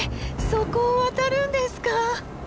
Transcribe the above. そこを渡るんですか？